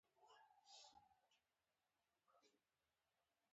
ګاونډي ته که خیر ورکوې، تا ته هم راروان دی